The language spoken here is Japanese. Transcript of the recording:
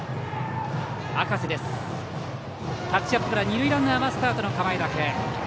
タッチアップから二塁ランナーはスタートの構えだけ。